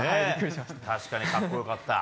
確かに格好よかった。